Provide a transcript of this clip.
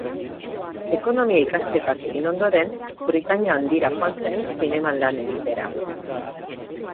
Ekonomia-ikasketak egin ondoren, Britainia Handira joan zen zineman lan egitera.